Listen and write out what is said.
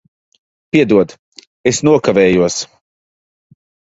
Piedod, es nokavējos.